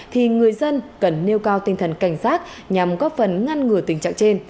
thì người dân cần nêu cao tinh thần cảnh giác nhằm góp phần ngăn ngừa tình trạng trên